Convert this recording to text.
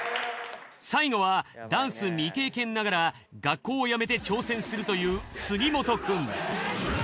最後はダンス未経験ながら学校をやめて挑戦するという杉本くん。